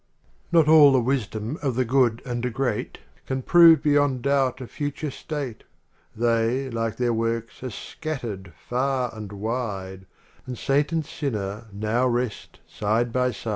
XXVI Not all the wisdom of the good and great Can prove beyond doubt a future state. They, like their works, a re scattered far and wide. And saint and sinner now rest side by side.